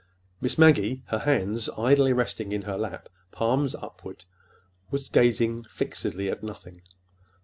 Miss Maggie, her hands idly resting in her lap, palms upward, was gazing fixedly at nothing.